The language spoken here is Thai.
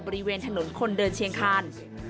บริเวณถนนคนเดินเชียงคาน